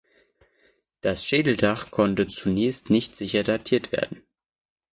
Das Schädeldach konnte zunächst nicht sicher datiert werden.